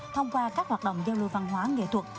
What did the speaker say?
thông qua các hoạt động giao lưu văn hóa nghệ thuật